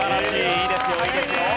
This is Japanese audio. いいですよいいですよ。